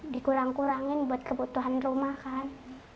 dikurang kurangin buat kebutuhan rumah kan